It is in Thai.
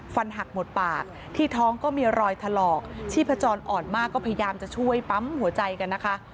หักหมดปากที่ท้องก็มีรอยถลอกชีพจรอ่อนมากก็พยายามจะช่วยปั๊มหัวใจกันนะคะ